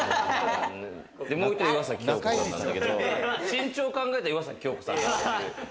もう１人は岩崎恭子さんなんだけれども、身長を考えたら岩崎恭子さん。